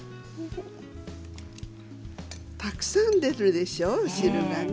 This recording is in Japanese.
たくさん出るでしょお汁がね。